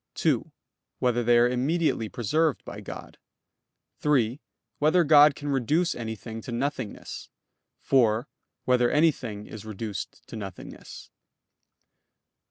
(2) Whether they are immediately preserved by God? (3) Whether God can reduce anything to nothingness? (4) Whether anything is reduced to nothingness?